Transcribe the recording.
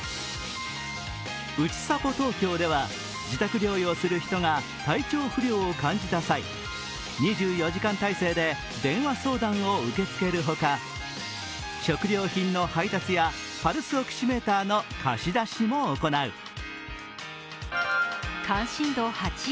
うちさぽ東京では、自宅療養する人が体調不良を感じた際２４時間体制で電話相談を受け付けるほか食料品の配達やパルスオキシメーターの貸し出しも行う。